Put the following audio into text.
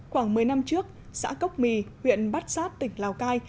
khoảng một mươi năm trước xã cốc mì huyện bát sát tỉnh lào cai